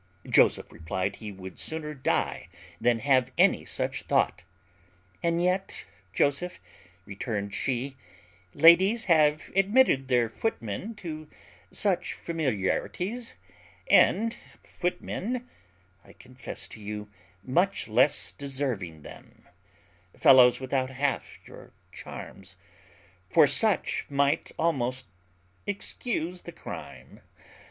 Joseph replied he would sooner die than have any such thought. "And yet, Joseph," returned she, "ladies have admitted their footmen to such familiarities; and footmen, I confess to you, much less deserving them; fellows without half your charms for such might almost excuse the crime.